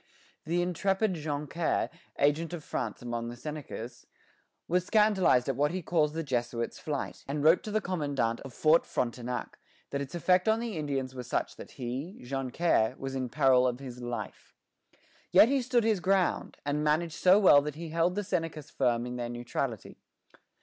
The intrepid Joncaire, agent of France among the Senecas, was scandalized at what he calls the Jesuit's flight, and wrote to the commandant of Fort Frontenac that its effect on the Indians was such that he, Joncaire, was in peril of his life. Yet he stood his ground, and managed so well that he held the Senecas firm in their neutrality.